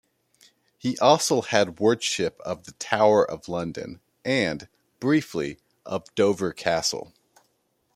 He also had wardship of the Tower of London, and, briefly, of Dover Castle.